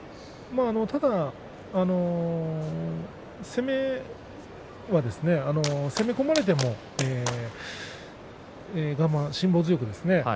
ただ攻め込まれても辛抱強くですね